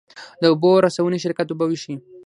د اوبو رسونې شرکت اوبه ویشي